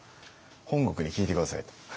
本国に聞いて下さいと。